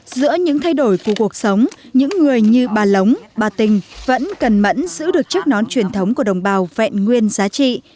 giữa những thay đổi của cuộc sống những người như bà lống bà tình vẫn cần mẫn giữ được chiếc nón truyền thống của đồng bào vẹn nguyên giá trị